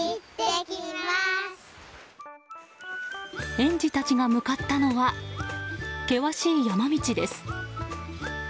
園児たちが向かったのは険しい山道です。